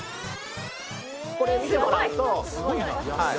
これ見てもらうとすごい！